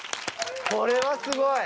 これはすごい。